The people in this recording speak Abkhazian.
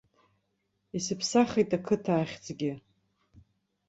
Исыԥсахит ақыҭа ахьӡгьы.